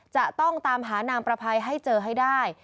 จะต้องตามหานางประภัยให้เจอให้ได้